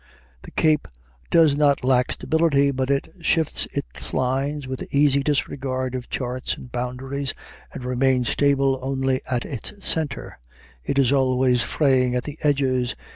The Cape does not lack stability, but it shifts its lines with easy disregard of charts and boundaries, and remains stable only at its center; it is always fraying at the edges.